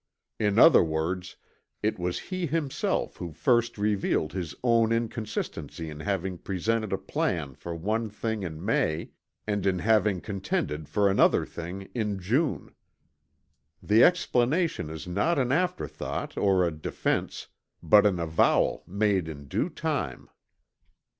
In other words it was he himself who first revealed his own inconsistency in having presented a plan for one thing in May and in having contended for another thing in June. The explanation is not an afterthought or a defence, but an avowal made in due time.